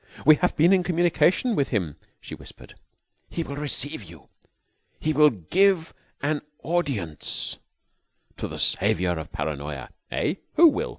"We have been in communication with Him," she whispered. "He will receive you. He will give an audience to the Savior of Paranoya." "Eh? Who will?"